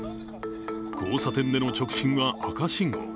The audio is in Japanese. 交差点での直進は赤信号。